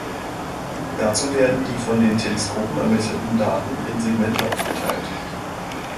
Dazu werden die von den Teleskopen ermittelten Daten in Segmente aufgeteilt.